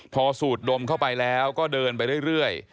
พอสูดดมเข้าไปแล้วก็เดินไปเรื่อย